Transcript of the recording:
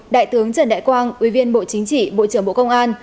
đại tướng trần đại quang ủy viên bộ chính trị bộ trưởng bộ công an